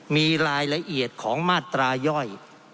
มีรายละเอียดของมาตราย่อย